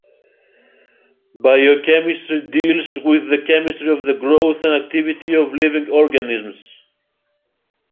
Biochemistry deals with the chemistry of the growth and activity of living organisms.